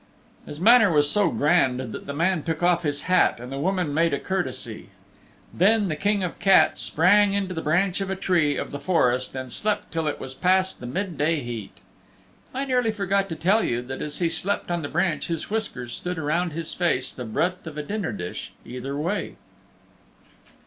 His manner was so grand that the man took off his hat and the woman made a courtesy. Then the King of the Cats sprang into the branch of a tree of the forest and slept till it was past the mid day heat. I nearly forgot to tell you that as he slept on the branch his whiskers stood around his face the breadth of a dinner dish either way.